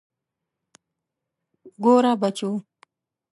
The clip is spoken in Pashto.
ګوره بچو.